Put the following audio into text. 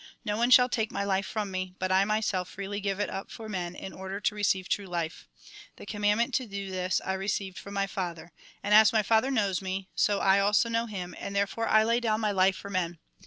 No one shall take my life from me, but I myself freely give it up for men, in order to receive true life. The connnandment to do tliis I received from my Father. And as my Father knows me, so I also know Him ; and therefore I lay down my life for men.